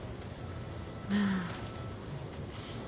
ああ。